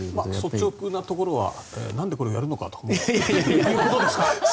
率直なところは何でこれをやるのかということですか。